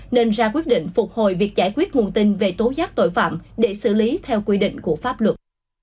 nên ra quyết định phục hồi việc giải quyết nguồn tin về tố giác tội phạm để xử lý theo quy định của pháp luật